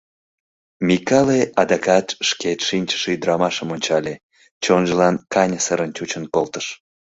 Микале адакат шкет шинчыше ӱдрамашым ончале, чонжылан каньысырын чучын колтыш.